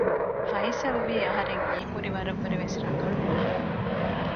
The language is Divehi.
ފައިސަލްވީ އަހަރެން ހީކުރި ވަރަށް ވުރެވެސް ރަނގަޅު މީހަކަށް